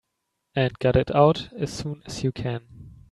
And got it out as soon as you can.